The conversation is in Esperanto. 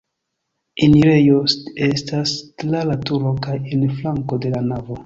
Enirejoj estas tra la turo kaj en flanko de la navo.